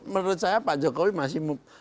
menurut saya pak jokowi masih